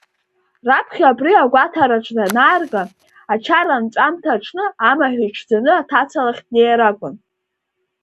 Раԥхьа абри агәараҭаҿ данаарга, ачара анҵәамҭа аҽны амаҳә иҽӡаны аҭаца лахь днеир акәын.